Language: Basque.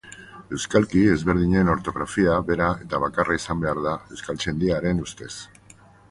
Euskalki ezberdinen ortografia bera eta bakarra izan behar da Euskaltzaindiaren ustez.